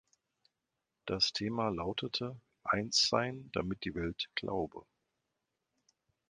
Das Thema lautete „Eins sein, ‚damit die Welt glaube‘“.